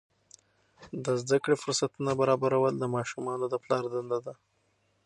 د زده کړې فرصتونه برابرول د ماشومانو د پلار دنده ده.